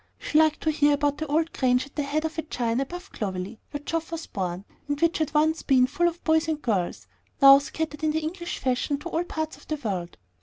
She liked to hear about the old grange at the head of a chine above Clovelley, where Geoff was born, and which had once been full of boys and girls, now scattered in the English fashion to all parts of the world.